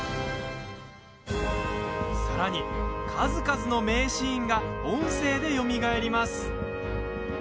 さらに、数々の名シーンが音声でよみがえります。